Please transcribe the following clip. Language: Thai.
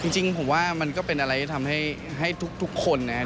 จริงผมว่ามันก็เป็นอะไรที่ทำให้ทุกคนนะครับ